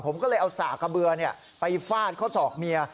ผมก็เลยเอาสากกระเบือไปฟาดเข้าศอกเมีย